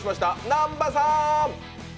南波さーん。